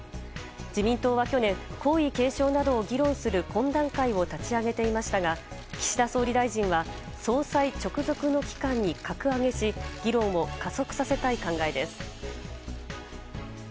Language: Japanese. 自民党は去年皇位継承などを議論する懇談会を立ち上げていましたが岸田総理大臣は総裁直属の機関に格上げし議論を加速させたい考えです。